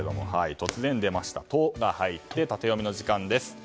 突然の「ト」が入ってタテヨミの時間です。